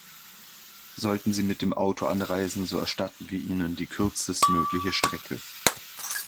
Sollten Sie mit dem Auto anreisen, so erstatten wir Ihnen die kürzest mögliche Stecke.